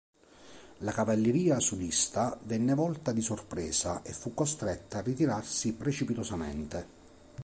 La cavalleria sudista venne volta di sorpresa e fu costretta a ritirarsi precipitosamente.